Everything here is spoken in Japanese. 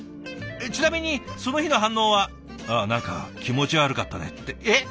ちなみにその日の反応は「ああ何か気持ち悪かったね」ってえっ？